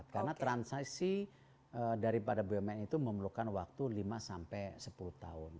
karena transaksi daripada bumn itu memerlukan waktu lima sampai sepuluh tahun